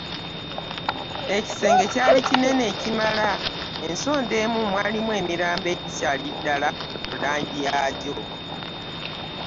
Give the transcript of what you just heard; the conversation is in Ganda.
Ekisenge kyali kinene ekimala, ensonda emu mwalimu emirambo egikyali ddala ku langi yaagyo.